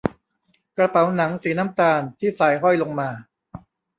กระเป๋าหนังสีน้ำตาลที่สายห้อยลงมา